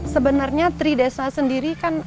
sebenarnya tri desa sendiri kan